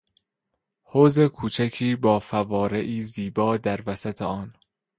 حوض کوچکی با فوارهای زیبا در وسط آن.